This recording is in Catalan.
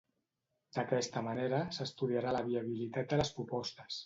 D'aquesta manera, s'estudiarà la viabilitat de les propostes